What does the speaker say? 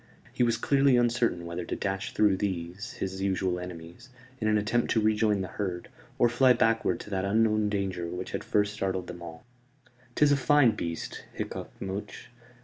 He was clearly uncertain whether to dash through these his usual enemies, in an attempt to rejoin the herd, or fly backward to that unknown danger which had first startled them all. "'Tis a fine beast," hiccoughed Much.